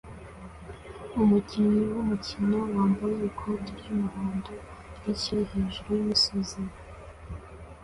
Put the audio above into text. Umukinnyi wumukino wambaye ikoti ry'umuhondo ni ikirere hejuru yimisozi